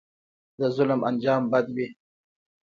د ظلم انجام بد وي